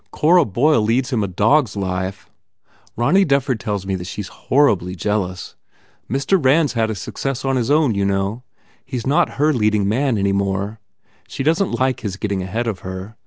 Cora Boyle leads him a dog s life. Ronny Dufford tells me that she s horribly jealous. Mr. Rand s had a success on his own, you know? He s not her leading man any more. She doesn t like his getting ahead of her.